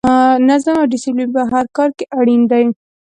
نظم او ډسپلین په هر کار کې اړین دی.